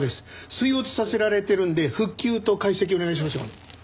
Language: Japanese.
水没させられてるんで復旧と解析お願いしますよ。